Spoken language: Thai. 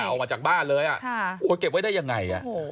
ออกมาจากบ้านเลยเก็บไว้ได้ยังไง